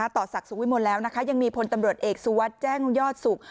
ต่อศักดิ์สุขวิมลแล้วนะคะยังมีพลตำรวจเอกสุวัสดิ์แจ้งยอดสุข